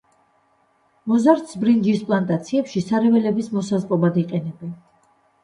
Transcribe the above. მოზარდს ბრინჯის პლანტაციებში სარეველების მოსასპობად იყენებენ.